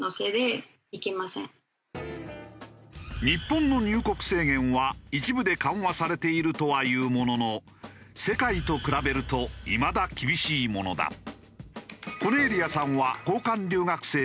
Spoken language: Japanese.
日本の入国制限は一部で緩和されているとはいうものの世界と比べるといまだ厳しいものだ。